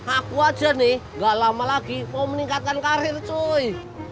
aku aja nih gak lama lagi mau meningkatkan karir cuy